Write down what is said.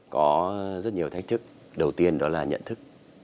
có rất nhiều thách thức đầu tiên đó là nhận thức